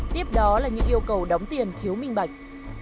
tiếp đó là những yêu cầu đóng tiền thiếu minh bạch